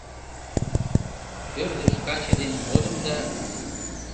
Ӧрдыж каче ден модым да